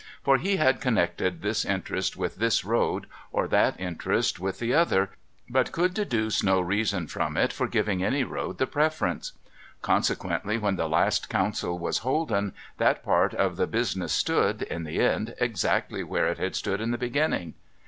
For, he had connected this interest with this road, or that interest 436 MUGBY JUNCTION with the other, l)Ut could deduce no reason from it for giving; any road the preference. Consequently, when the last council was holden, that part of the business stood, in the end, exactly where it had stood in the beginning.